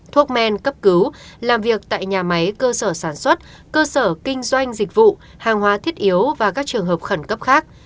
thuốc men cấp cứu làm việc tại nhà máy cơ sở sản xuất cơ sở kinh doanh dịch vụ hàng hóa thiết yếu và các trường hợp khẩn cấp khác